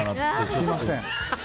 すみません。